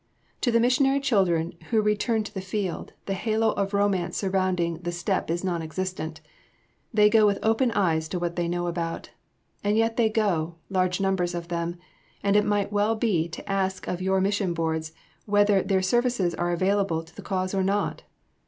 To the missionary children who return to the field, the halo of romance surrounding the step is non existent, they go with open eyes to what they know about. And yet they go, large numbers of them, and it might be well to ask of your Mission Boards whether their services are valuable to the cause or not.